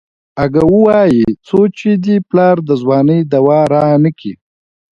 اگه وايي څو چې دې پلار د ځوانۍ دوا رانکي.